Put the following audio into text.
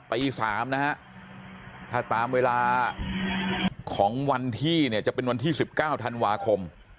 ตี๓นะฮะถ้าตามเวลาของวันที่เนี่ยจะเป็นวันที่๑๙ธันวาคม